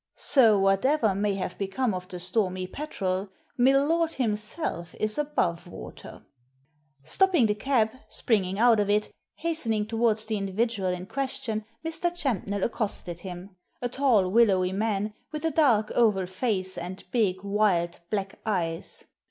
So whatever may have become of the Stormy Petrel^ milord himself is above water." Stopping the cab, springing out of it, hastening towards the individual in question, Mr. Champnell accosted him — a tall, willowy man, with a dark, oval face, and big, wild, black eyes.